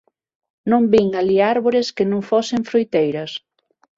Non vin alí árbores que non fosen froiteiras.